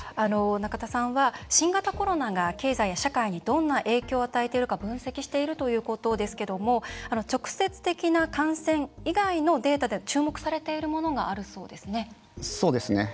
仲田さんは新型コロナが経済や社会にどんな影響を与えているか分析しているということですけど直接的な感染以外のデータで注目されているものがあるそうですね。